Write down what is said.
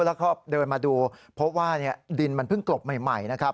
แล้วก็เดินมาดูพบว่าดินมันเพิ่งกลบใหม่นะครับ